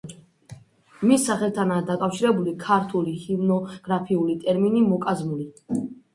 მის სახელთანაა დაკავშირებული ქართული ჰიმნოგრაფიული ტერმინი მოკაზმული.